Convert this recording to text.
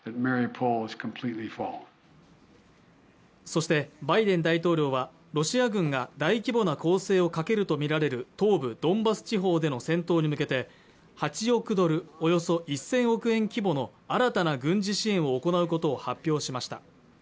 そしてバイデン大統領はロシア軍が大規模な攻勢をかけるとみられる東部ドンバス地方での戦闘に向けて８億ドルおよそ１０００億円規模の新たな軍事支援を行うことを発表しました